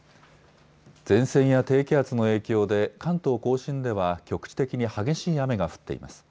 前線や低気圧の影響で関東甲信では局地的に激しい雨が降っています。